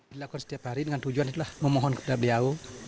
dilakukan setiap hari dengan tujuan itulah memohon kepada beliau